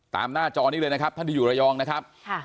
หน้าจอนี้เลยนะครับท่านที่อยู่ระยองนะครับ